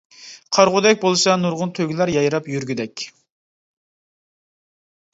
قارىغۇدەك بولسا، نۇرغۇن تۆگىلەر يايراپ يۈرگۈدەك.